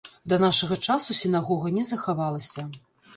Да нашага часу сінагога не захавалася.